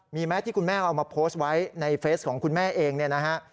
มีไหมที่คุณแม่เอามาโพสต์ไว้ในเฟสของคุณแม่เองเนี่ยนะฮะ